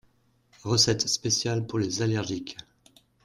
Recette spéciale pour les allergiques